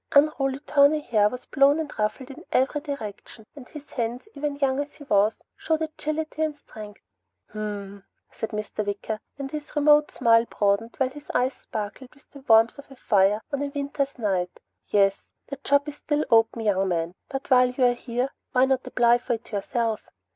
Unruly tawny hair was blown and ruffled in every direction and his hands, even young as he was, showed ability and strength. "Hm mm," said Mr. Wicker, and his remote smile broadened while his eyes sparkled with the warmth of a fire on a winter's night. "Hm mm. Yes. The job is still open, young man, but while you're here, why not apply for it yourself?"